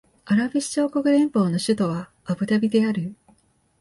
アラブ首長国連邦の首都はアブダビである